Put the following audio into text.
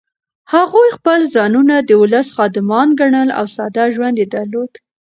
هغوی خپل ځانونه د ولس خادمان ګڼل او ساده ژوند یې درلود.